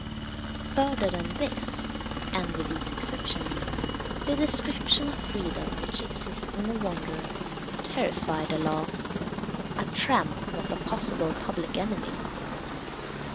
Further than this, and with these exceptions, the description of freedom which exists in the wanderer terrified the law. A tramp was a possible public enemy.